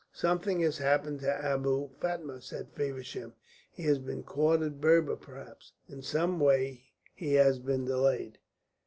"Something has happened to Abou Fatma," said Feversham. "He has been caught at Berber perhaps. In some way he has been delayed."